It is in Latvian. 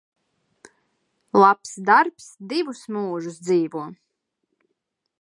Labs darbs divus mūžus dzīvo.